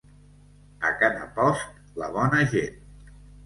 A Canapost, la bona gent.